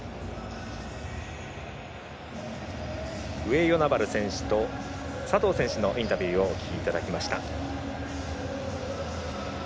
上与那原選手と佐藤選手のインタビューをお聞きいただきました。